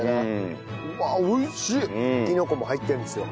きのこも入ってるんですよ。